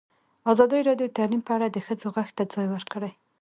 ازادي راډیو د تعلیم په اړه د ښځو غږ ته ځای ورکړی.